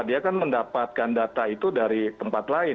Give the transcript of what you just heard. dia kan mendapatkan data itu dari tempat lain